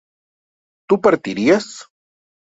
tú partirías